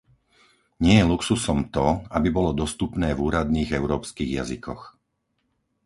Nie je luxusom to, aby bolo dostupné v úradných európskych jazykoch.